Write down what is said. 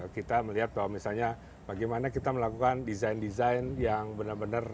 kita melihat bahwa misalnya bagaimana kita melakukan desain desain yang benar benar